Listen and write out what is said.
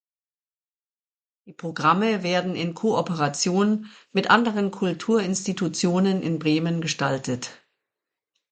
Die Programme werden in Kooperation mit anderen Kulturinstitutionen in Bremen gestaltet.